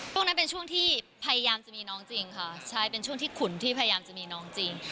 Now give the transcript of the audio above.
ช่วงนั้นเป็นช่วงที่พยายามจะมีน้องจริงค่ะใช่เป็นช่วงที่ขุนที่พยายามจะมีน้องจริง